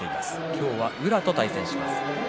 今日は宇良と対戦します。